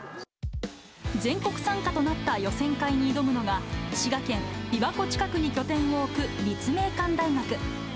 全国参加となった予選会に挑むのが、滋賀県、琵琶湖近くに拠点を置く立命館大学。